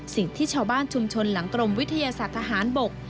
สิ่งที่ชาวบ้านชุมชนหลังกรมวิทยาศาสตร์ทหารบก